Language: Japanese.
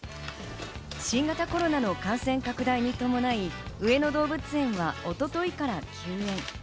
新型コロナの感染拡大に伴い、上野動物園は一昨日から休園。